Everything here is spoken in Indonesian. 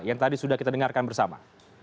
yang tadi sudah kita dengarkan bersama